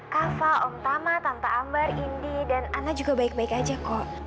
kava om tama tante ambar indi dan ana juga baik baik aja kok